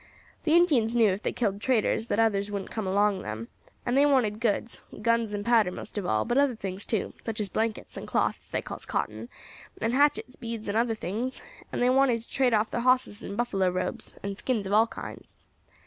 The Indians knew if they killed traders that others wouldn't come among them, and they wanted goods guns and powder most of all, but other things too, such as blankets, and cloth as they calls cotton, and hatchets, beads, and other things, and they wanted to trade off thar hosses and buffalo robes, and skins of all kinds.